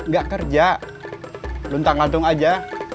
gak kerja luntang ngantung aja